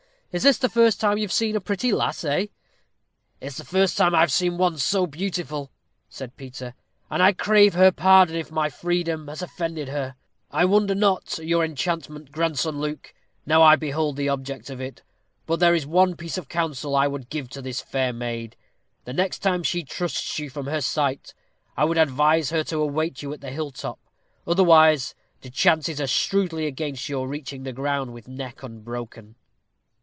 Is this the first time you have seen a pretty lass, eh?" "It is the first time I have seen one so beautiful," said Peter; "and I crave her pardon if my freedom has offended her. I wonder not at your enchantment, grandson Luke, now I behold the object of it. But there is one piece of counsel I would give to this fair maid. The next time she trusts you from her sight, I would advise her to await you at the hill top, otherwise the chances are shrewdly against your reaching the ground with neck unbroken."